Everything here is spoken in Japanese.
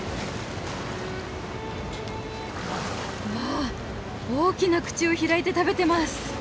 うわ大きな口を開いて食べてます。